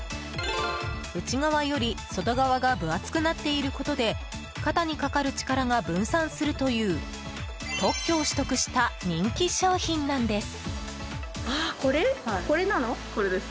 内側より外側が分厚くなっていることで肩にかかる力が分散するという特許を取得した人気商品なんです。